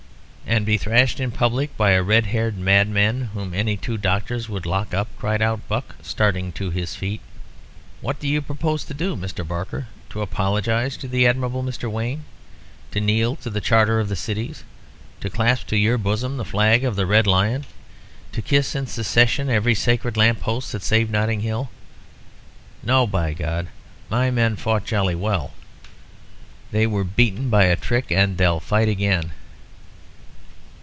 "And be thrashed in public by a red haired madman whom any two doctors would lock up?" cried out Buck, starting to his feet. "What do you propose to do, Mr. Barker? To apologise to the admirable Mr. Wayne? To kneel to the Charter of the Cities? To clasp to your bosom the flag of the Red Lion? To kiss in succession every sacred lamp post that saved Notting Hill? No, by God! My men fought jolly well they were beaten by a trick. And they'll fight again."